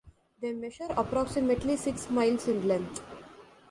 They measure approximately six miles in length.